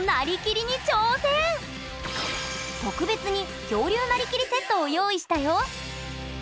特別に恐竜なりきりセットを用意したよ！